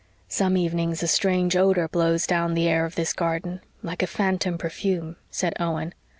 "Some evenings a strange odor blows down the air of this garden, like a phantom perfume," said Owen.